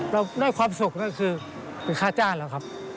เราเล่นความสุขนั้นคือเป็นค่าจ้าหรือครับ